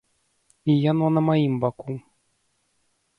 І яно на маім баку.